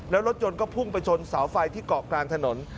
แล้วรถยนต์ก็พุ่งไปชนเสาไฟที่เกาะกลางถนน